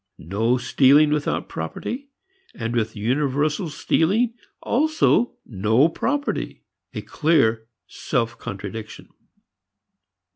No stealing without property, and with universal stealing also no property; a clear self contradiction.